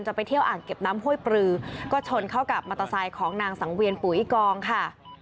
ไปเที่ยวอ่างเก็บน้ำห้วยปลือก็ชนเข้ากับมอเตอร์ไซค์ของนางสังเวียนปุ๋ยกองค่ะ